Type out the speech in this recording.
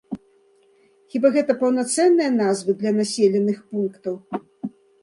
Хіба гэта паўнацэнныя назвы для населеных пунктаў?